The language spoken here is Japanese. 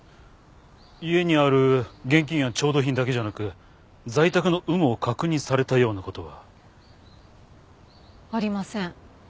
家にある現金や調度品だけじゃなく在宅の有無を確認されたような事は？ありません。